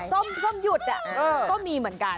ส้มหยุดก็มีเหมือนกัน